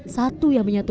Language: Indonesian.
jadi karena itu